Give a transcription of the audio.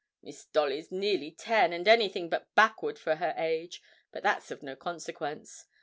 (Miss Dolly's nearly ten, and anything but backward for her age; but that's of no consequence.)